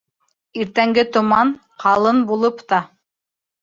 Иртәнге томан ҡалын булып та